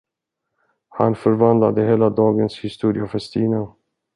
Han förvandlade hela dagens historia för Stina.